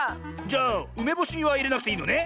じゃあうめぼしはいれなくていいのね？